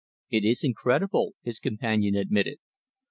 "It is incredible," his companion admitted.